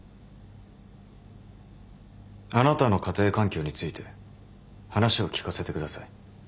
あなたの家庭環境について話を聞かせてください。